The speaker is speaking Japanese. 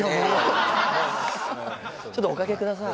ちょっとお掛けください